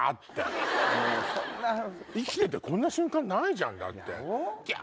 生きててこんな瞬間ないじゃんギャ！